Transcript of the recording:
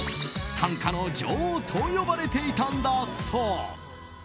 単価の女王と呼ばれていたんだそう。